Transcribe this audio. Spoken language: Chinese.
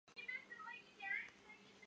双牌县是一个重要林区。